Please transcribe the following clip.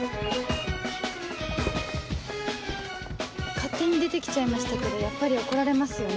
勝手に出て来ちゃいましたけどやっぱり怒られますよね。